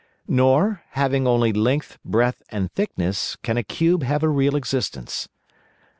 "Nor, having only length, breadth, and thickness, can a cube have a real existence."